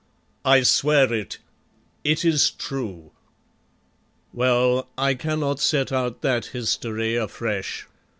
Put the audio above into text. I swear it it is true._" Well, I cannot set out that history afresh.